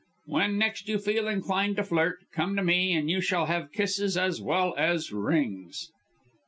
When next you feel inclined to flirt, come to me, and you shall have kisses as well as rings."